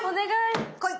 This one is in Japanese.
来い！